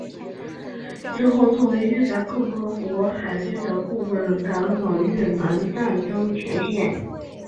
之后作为越南共和国海军的顾问赶往越南战争前线。